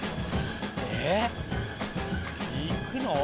えっ？いくの？